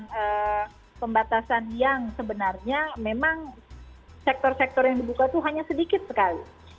dengan pembatasan yang sebenarnya memang sektor sektor yang dibuka itu hanya sedikit sekali